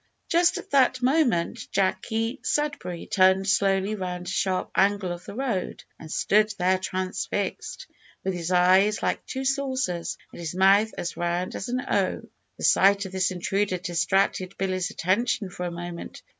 Just at that moment, Jacky Sudberry turned slowly round a sharp angle of the road, and stood there transfixed, with his eyes like two saucers, and his mouth as round as an o. The sight of this intruder distracted Billy's attention for a moment.